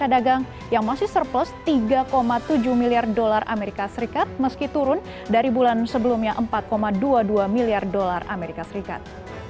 dagang yang masih surplus tiga tujuh miliar dolar as meski turun dari bulan sebelumnya empat dua puluh dua miliar dolar amerika serikat